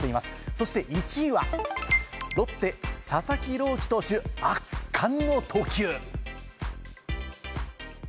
そして１位は、ロッテ・佐々木朗希投手、圧巻の投球。